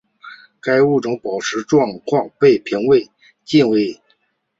该物种的保护状况被评为近危。